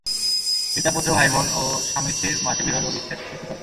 পিতা-পুত্র, ভাই-বোন ও স্বামী-স্ত্রীর মাঝে বিরোধ ও বিচ্ছেদ সষ্টি করে।